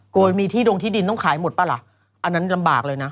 มีที่ดงที่ดินต้องขายหมดป่ะล่ะอันนั้นลำบากเลยนะ